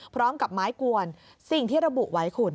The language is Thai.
พร้อมกับไม้กวนสิ่งที่ระบุไว้คุณ